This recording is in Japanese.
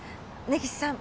根岸さん